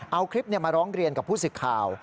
เอาคลิปมาร้องเรียนกับผู้สิทธิ์ข่าว